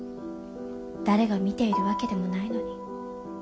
誰が見ているわけでもないのに。